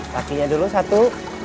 pakinya dulu satu